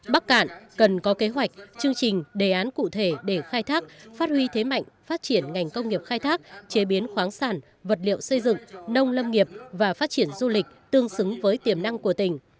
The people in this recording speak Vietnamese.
bắc cạn cần có kế hoạch chương trình đề án cụ thể để khai thác phát huy thế mạnh phát triển ngành công nghiệp khai thác chế biến khoáng sản vật liệu xây dựng nông lâm nghiệp và phát triển du lịch tương xứng với tiềm năng của tỉnh